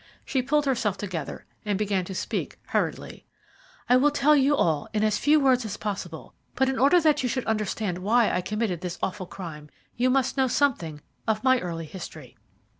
She pulled herself together, and began to speak hurriedly. "I will tell you all in as few words as possible; but in order that you should understand why I committed this awful crime, you must know something of my early history.